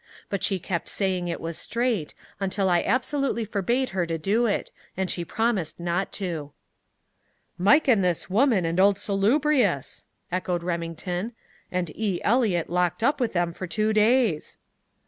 But she kept saying it was straight, until I absolutely forbade her to do it, and she promised not to." "Mike and his woman, and Old Salubrious!" echoed Remington. "And E. Eliot locked up with them for two days!"